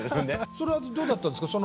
それはどうだったんですか？